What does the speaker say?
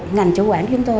ngành chủ quản chúng tôi